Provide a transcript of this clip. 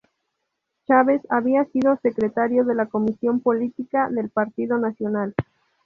Chávez había sido Secretario de la Comisión Política del Partido Nacional.